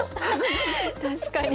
確かに。